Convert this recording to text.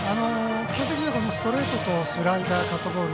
基本的にはストレートスライダー、カットボール